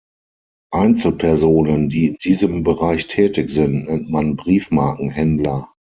Einzelpersonen, die in diesem Bereich tätig sind, nennt mann Briefmarkenhändler.